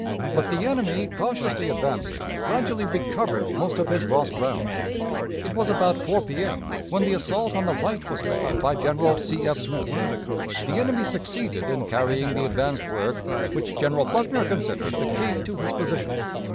But the enemy, cautiously advancing, gradually recovered most of his lost ground. It was about 4 P.M. when the assault on the right was made by General C. F. Smith. The enemy succeeded in carrying the advanced work, which General Buckner considered the key to his position.